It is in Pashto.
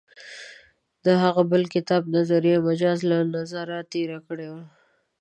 د هغه بل کتاب «نظریه مجاز» له نظره تېر کړی و.